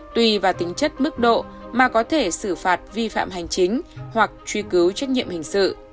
tùy vào tính chất mức độ mà có thể xử phạt vi phạm hành chính hoặc truy cứu trách nhiệm hình sự